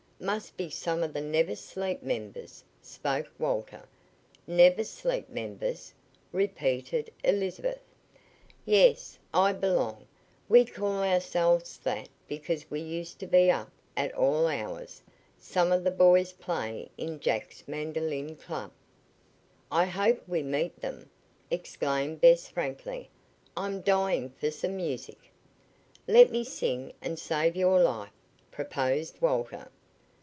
"Must be some of the Never Sleep members," spoke Walter. "Never Sleep members?" repeated Elizabeth. "Yes; I belong. We call ourselves that because we used to be up at all hours. Some of the boys play in Jack's mandolin club." "I hope we meet them!" exclaimed Bess frankly. "I'm dying for some music." "Let me sing and save your life," proposed Walter.